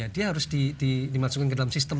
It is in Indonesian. dia harus dimasukin ke dalam sistem